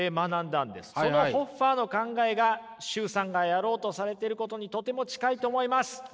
そのホッファーの考えが崇さんがやろうとされてることにとても近いと思います。